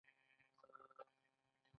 دا د لګښتونو د ترتیب او تشریح پروسه ده.